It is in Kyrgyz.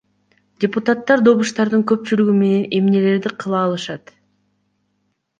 Депутаттар добуштардын көпчүлүгү менен эмнелерди кыла алышат?